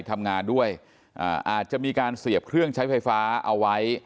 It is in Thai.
ทำงานด้วยอ่าอาจจะมีการเสียบเครื่องใช้ไฟฟ้าเอาไว้